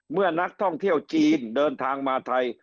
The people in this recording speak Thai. เมื่อนักท่องเที่ยวจีนเดินทางมาไทย